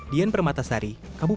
dian permatasari kabupaten kampung